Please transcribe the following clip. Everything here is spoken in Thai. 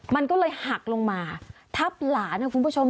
มันก็เลยหักลงมาทับหลานนะคุณผู้ชม